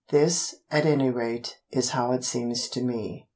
This, at any rate, is how it seems to me.